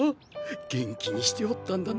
元気にしておったんだな。